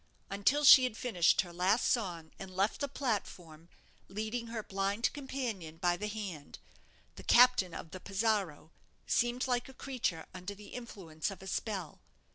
Until she had finished her last song, and left the platform, leading her blind companion by the hand, the captain of the 'Pizarro' seemed like a creature under the influence of a spell.